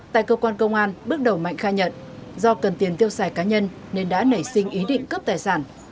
tại cơ quan công an bước đầu mạnh khai nhận do cần tiền tiêu xài cá nhân nên đã nảy sinh ý định cướp tài sản